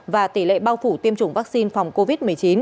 và tỷ lệ bao phủ tiêm chủng vaccine phòng covid một mươi chín